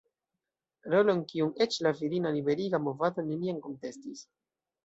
Rolon, kiun eĉ la virina liberiga movado neniam kontestis.